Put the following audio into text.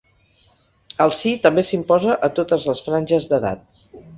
El sí també s’imposa a totes les franges d’edat.